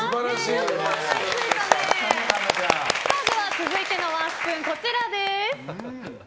続いてのワンスプーンはこちらです。